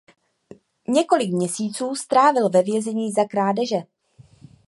Několik měsíců strávil ve vězení za krádeže.